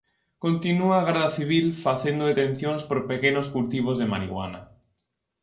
Continúa a Garda Civil facendo detencións por pequenos cultivos de marihuana.